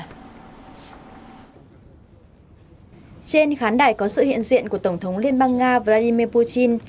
trên khán đài có sự hiện diện của tổng thống liên bang nga vladimir putin